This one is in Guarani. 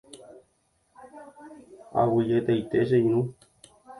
Aguyjetaite che irũ.